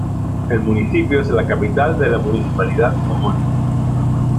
El municipio es la capital de la municipalidad homónima.